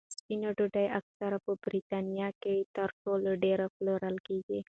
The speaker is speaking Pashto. سپینه ډوډۍ اکثره په بریتانیا کې تر ټولو ډېره پلورل کېږي.